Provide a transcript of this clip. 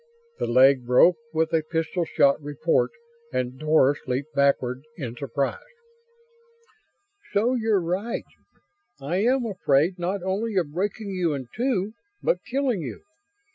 The leg broke with a pistol sharp report and Doris leaped backward in surprise. "So you're right. I am afraid, not only of breaking you in two, but killing you.